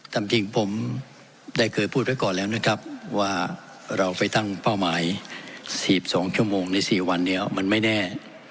จำจริงผมได้เกิดพูดไปก่อนแล้วนะครับว่าเราไปท๐๐๓๔ในสี่วันนี้มันไม่แน่